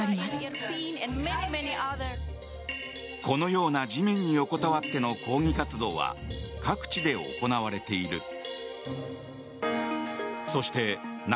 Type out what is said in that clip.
このような地面に横たわっての抗議活動は各地で行われている。